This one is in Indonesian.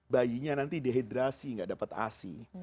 bayinya nanti dehidrasi nggak dapat asi